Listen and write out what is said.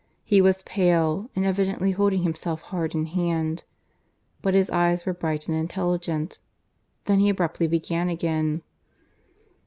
He was pale, and evidently holding himself hard in hand; but his eyes were bright and intelligent. Then he abruptly began again.